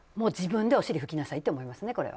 自分でお尻拭きなさいって思いますね。